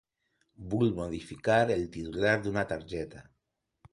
Vull modificar el titular d'una targeta.